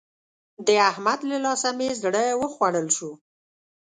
د احمد له لاسه مې زړه وخوړل شو.